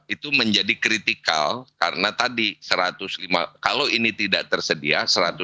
itu menjadi kritikal karena tadi kalau ini tidak tersedia